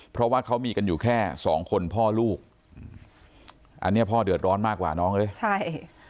เพราะว่าเขามีกันอยู่แค่สองคนพ่อลูกอันนี้พ่อเดือดร้อนมากกว่าน้องเอ้ยใช่